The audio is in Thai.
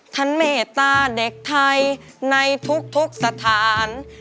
เมตตาเด็กไทยในทุกสถาน